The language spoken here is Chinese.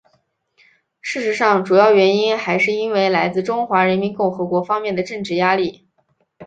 事实上主要原因还是因为来自中华人民共和国方面的政治压力。